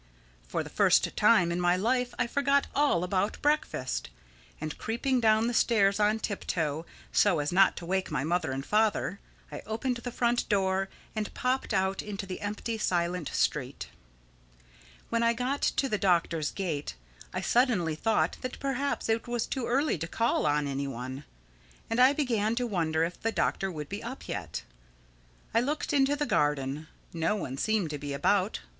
For the first time in my life I forgot all about breakfast; and creeping down the stairs on tip toe, so as not to wake my mother and father, I opened the front door and popped out into the empty, silent street. When I got to the Doctor's gate I suddenly thought that perhaps it was too early to call on any one: and I began to wonder if the Doctor would be up yet. I looked into the garden. No one seemed to be about.